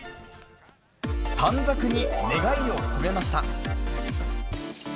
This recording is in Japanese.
短冊に願いを込めました。